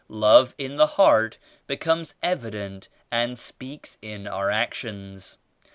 Love in the heart becomes evi dent and speaks in our actions.